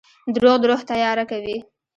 • دروغ د روح تیاره کوي.